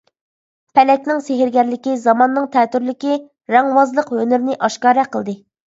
پەلەكنىڭ سېھىرگەرلىكى، زاماننىڭ تەتۈرلۈكى، رەڭۋازلىق ھۈنىرىنى ئاشكارا قىلدى.